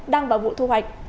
đang vào vụ thu hoạch